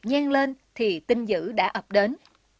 nhanh lên thì tin dữ đã ập đến